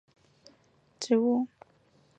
高山地榆是蔷薇科地榆属的植物。